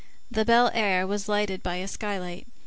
The Fine Air was lighted by a skylight.